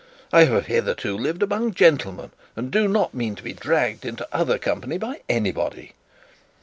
I have hitherto lived among gentlemen, and do not mean to be dragged into other company by anybody.'